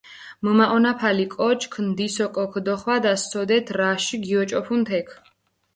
მჷმაჸონაფალი კოჩქ ნდის ოკო ქჷდოხვადას, სოდეთ რაში გიოჭოფუნ თექ.